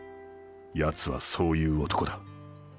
ヤツはそういう男だ。